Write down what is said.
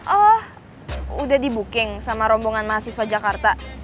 ah udah di booking sama rombongan mahasiswa jakarta